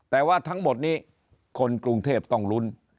แต่ว่าทั้งหมดนี้คนกรุงเทพต้องลุ้น